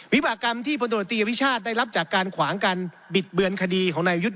วิบากรรมที่พลตรวจตีอภิชาติได้รับจากการขวางการบิดเบือนคดีของนายยุทธ์